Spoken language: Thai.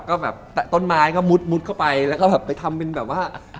ก็แบบต้นไม้ก็มุดเข้าไปแล้วก็แบบไปทำเป็นแบบว่า